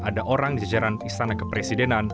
ada orang di jajaran istana kepresidenan